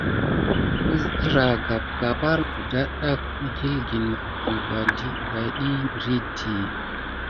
Ǝzǝra agapka, mbar mudatɗa mǝgilgǝn mogon va ɗih mbiriɗi.